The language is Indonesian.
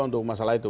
untuk masalah itu